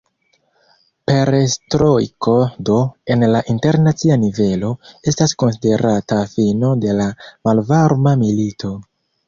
Perestrojko do, en la internacia nivelo, estas konsiderata fino de la Malvarma milito.